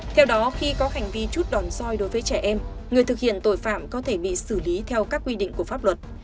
theo đó khi có hành vi chút đòn soi đối với trẻ em người thực hiện tội phạm có thể bị xử lý theo các quy định của pháp luật